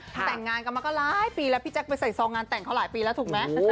แต่งงานกันมาก็หลายปีแล้วพี่แจ๊คไปใส่ซองงานแต่งเขาหลายปีแล้วถูกไหม